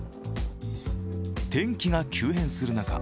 天気が急変する中